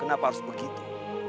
kenapa harus begitu